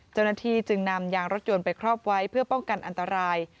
เจ้าหน้าที่จึงนำยางรถยนต์ไปครอบไว้เพื่อป้องกันอันตราย